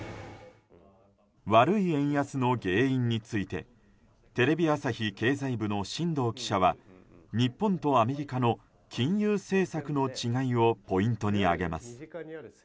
悪い円安の原因についてテレビ朝日経済部の進藤記者は日本とアメリカの金融政策の違いをポイントに挙げます。